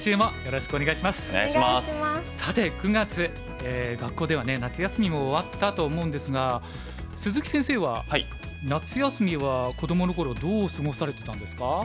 さて９月学校では夏休みも終わったと思うんですが鈴木先生は夏休みは子どもの頃どう過ごされてたんですか？